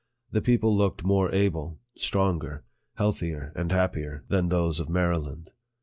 The people looked more able, stronger, healthier, and happier, than those of Maryland.